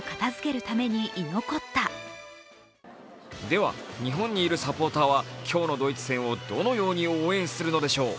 では日本にいるサポーターは今日のドイツ戦をどのように応援するのでしょう。